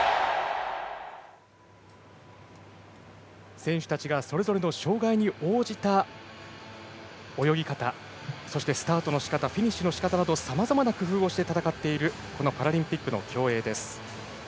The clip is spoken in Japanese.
選手たちがそれぞれの障がいに応じた泳ぎ方、そしてスタートのしかたフィニッシュのしかたなどさまざまな工夫をして戦っているこのパラリンピックの競泳です。